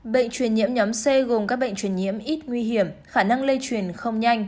bệnh truyền nhiễm nhóm c gồm các bệnh truyền nhiễm ít nguy hiểm khả năng lây truyền không nhanh